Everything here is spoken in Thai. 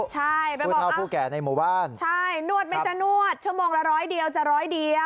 ใช่ไปบอกว่าใช่นวดไม่จะนวดชั่วโมงละร้อยเดียวจะร้อยเดียว